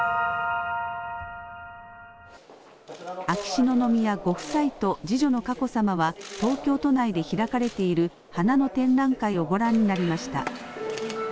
秋篠宮ご夫妻と次女の佳子さまは、東京都内で開かれている花の展覧会をご覧になりました。